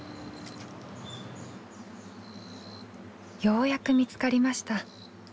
ようやく見つかりました。